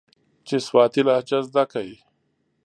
چې سواتي لهجه زده کي.